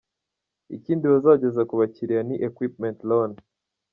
Ikindi bazageza ku bakiriya ni “Equipment Loan”.